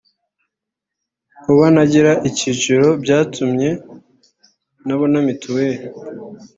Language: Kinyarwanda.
Kuba ntagira icyiciro byatumye ntabona mituweri